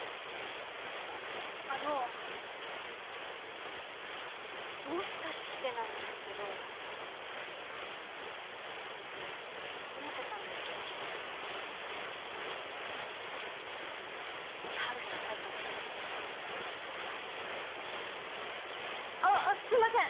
あっあのもしかしてなんですけど百瀬さんの好きな人って美晴さんだったりしてあっあっすいません